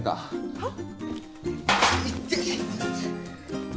はっ？